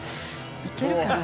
いけるかな。